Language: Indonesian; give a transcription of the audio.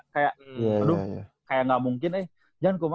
kayak aduh kayak gak mungkin